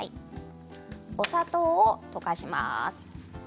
お砂糖を溶かします。